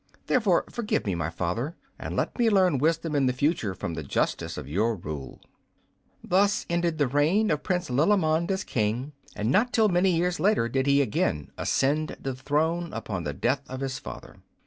Therefore forgive me, my father, and let me learn wisdom in the future from the justness of your rule." Thus ended the reign of Prince Lilimond as King, and not till many years later did he again ascend the throne upon the death of his father.